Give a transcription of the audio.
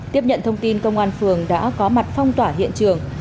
tiếp nhận thông tin công an phường đã có mặt phong tỏa hiện trường